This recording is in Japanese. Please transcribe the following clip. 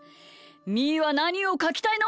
みーはなにをかきたいの？